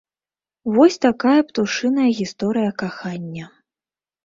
Вось такая птушыная гісторыя кахання.